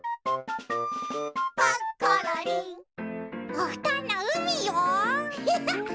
おふとんのうみよ。